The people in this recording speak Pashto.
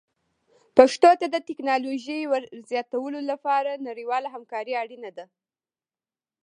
پښتو ته د ټکنالوژۍ ور زیاتولو لپاره نړیواله همکاري اړینه ده.